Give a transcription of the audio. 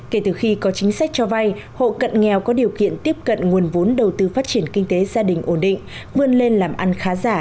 kể từ khi có chính sách cho vay hộ cận nghèo có điều kiện tiếp cận nguồn vốn đầu tư phát triển kinh tế gia đình ổn định vươn lên làm ăn khá giả